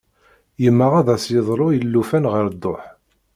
Yemmeɣ ad as-yedlu i llufan ɣer dduḥ.